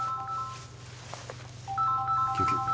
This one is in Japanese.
救急。